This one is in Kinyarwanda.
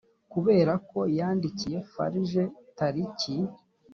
kubera ko yandikiye farg tariki